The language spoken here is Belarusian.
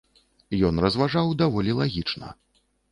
Ён разважаў даволі лагічна.